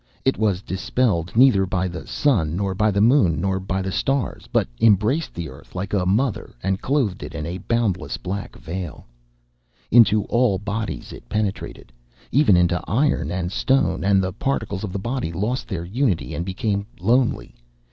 It was dispelled neither by the sun, nor by the moon, nor by the stars, but embraced the earth like a mother, and clothed it in a boundless black veil_. _Into all bodies it penetrated, even into iron and stone; and the particles of the body lost their unity and became lonely.